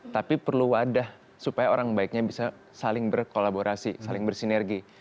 tapi perlu wadah supaya orang baiknya bisa saling berkolaborasi saling bersinergi